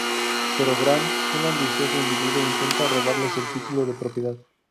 Pero Grant, un ambicioso individuo, intenta robarles el título de propiedad.